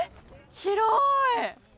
広い！